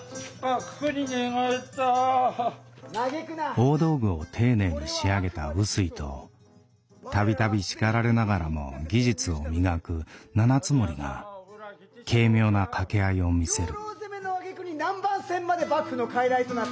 大道具を丁寧に仕上げた臼井と度々叱られながらも技術を磨く七ツ森が軽妙な掛け合いを見せる。